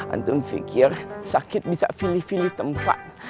antum pikir sakit bisa pilih pilih tempat